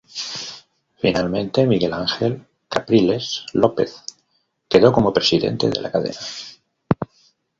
Finalmente Miguel Ángel Capriles López quedó como presidente de la cadena.